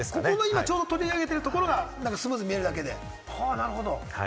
ここで取り上げてるところがスムーズに見えてるだけで。